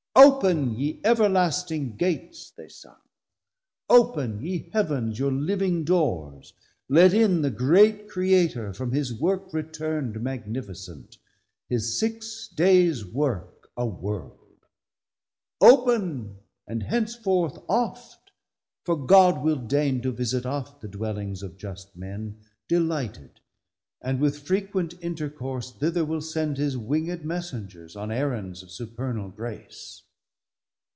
Open, ye everlasting Gates, they sung, Open, ye Heav'ns, your living dores; let in The great Creator from his work returnd Magnificent, his Six days work, a World; Open, and henceforth oft; for God will deigne To visit oft the dwellings of just Men 570 Delighted, and with frequent intercourse Thither will send his winged Messengers On errands of supernal Grace.